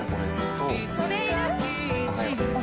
いつかキッチンを